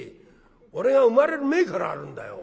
俺が生まれる前からあるんだよ。